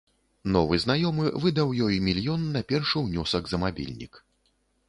Новы знаёмы выдаў ёй мільён на першы ўнёсак за мабільнік.